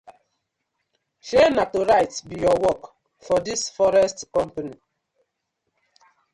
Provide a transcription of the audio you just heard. Shey na to write bi yur work for dis forest company.